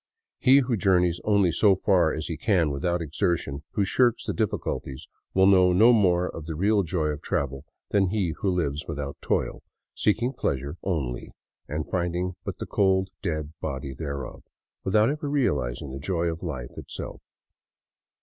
He who journeys only so far as he can without exertion, who shirks the difficulties, will know no more of the real joy of travel than he who lives without toil, seeking pleasure only and finding but the cold, dead body thereof, without ever realizing the joy of life itself.